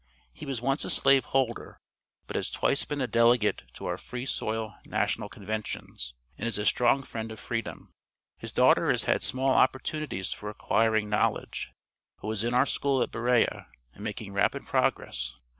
He was once a slave holder, but has twice been a delegate to our Free soil National Conventions, and is a strong friend of freedom. His daughter has had small opportunities for acquiring knowledge, but was in our school at Berea, and making rapid progress.